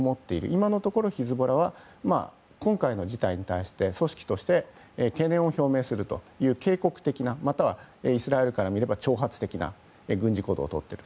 今のところヒズボラは今回の事態に対して組織として懸念を表明するという警告的な、またはイスラエルから見れば挑発的な軍事行動をとっている。